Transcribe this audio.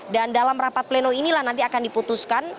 dan dalam rapat pleno inilah nanti akan diputuskan